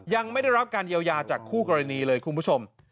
ยังไม่ได้รับการเยียวยาจากคู่กรณีเลยคุณผู้ชม